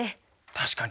確かに。